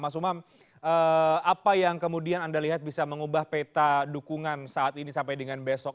mas umam apa yang kemudian anda lihat bisa mengubah peta dukungan saat ini sampai dengan besok